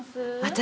私。